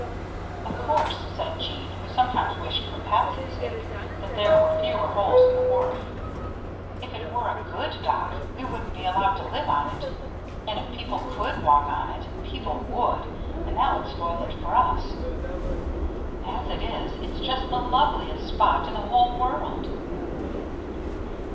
"Of course," said Jeanne, who sometimes wished for Patsy's sake that there were fewer holes in the wharf, "if it were a good dock, we wouldn't be allowed to live on it. And if people could walk on it, people would; and that would spoil it for us. As it is, it's just the loveliest spot in the whole world."